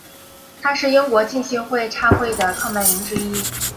他是英国浸信会差会的创办人之一。